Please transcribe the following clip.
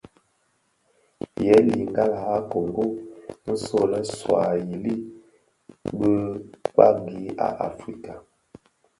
Yèè lingala a Kongo, nso lè Swuahili bi kpagi a Afrika.